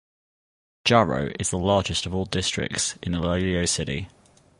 Jaro is the largest of all districts of Iloilo City.